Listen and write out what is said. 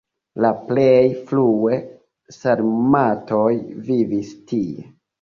La plej frue sarmatoj vivis tie.